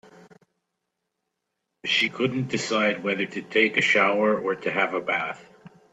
She couldn't decide whether to take a shower or to have a bath.